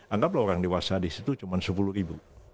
anggaplah orang dewasa disitu cuma sepuluh ribu